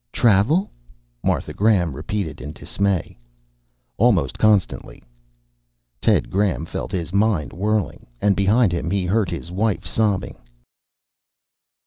"Travel?" Martha Graham repeated in dismay. "Almost constantly." Ted Graham felt his mind whirling. And behind him, he heard his wife sobbing.